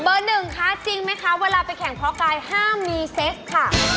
หนึ่งคะจริงไหมคะเวลาไปแข่งเพราะกายห้ามมีเซตค่ะ